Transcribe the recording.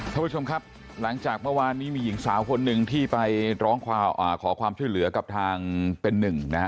ท่านผู้ชมครับหลังจากเมื่อวานนี้มีหญิงสาวคนหนึ่งที่ไปร้องขอความช่วยเหลือกับทางเป็นหนึ่งนะฮะ